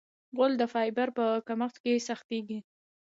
غول د فایبر په کمښت سختېږي.